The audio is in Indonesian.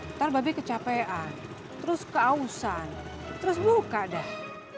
nanti babi kecapean terus keausan terus buka dah